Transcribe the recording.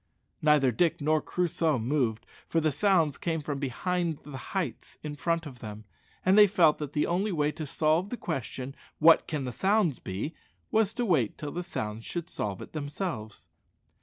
Neither Dick nor Crusoe moved, for the sounds came from behind the heights in front of them, and they felt that the only way to solve the question, "What can the sounds be?" was to wait till the sounds should solve it themselves.